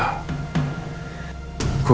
padahal semuanya terkesan udah di depan mata